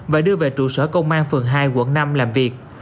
và đưa về trụ sở công an phường hai quận năm làm việc